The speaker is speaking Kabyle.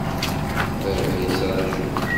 Baba yettraju.